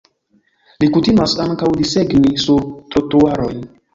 Li kutimas ankaŭ desegni sur trotuaroj.